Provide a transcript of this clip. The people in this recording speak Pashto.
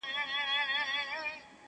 شهیدان دي چي ښخیږي بیرغ ژاړي په جنډۍ کي؛